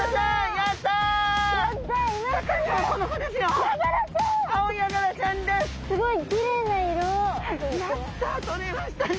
やったとれましたね。